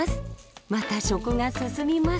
また食が進みます。